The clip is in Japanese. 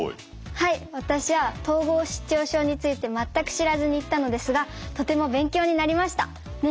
はい私は統合失調症について全く知らずに行ったのですがとても勉強になりました。ね？